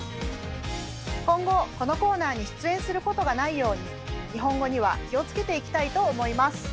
今後このコーナーに出演することがないように日本語には気をつけていきたいと思います。